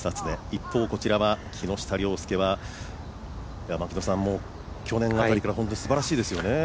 一方こちら、木下稜介は去年あたりから、本当にすばらしいですよね。